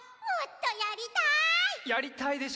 もっとやりたい！